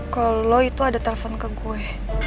kalau lo itu ada telepon ke gue